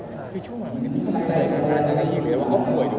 รักแค่ทุกคนใช่มีเรื่องที่เขาพิจารณ์มากเป็นความรักทุกคน